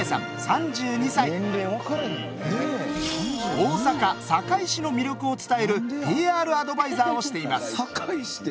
大阪・堺市の魅力を伝えるＰＲアドバイザーをしています。